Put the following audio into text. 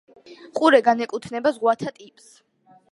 ყურე განეკუთვნება ზღვათა ტიპს.